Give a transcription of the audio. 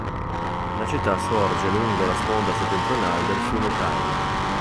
La città sorge lungo la sponda settentrionale del fiume Tyne.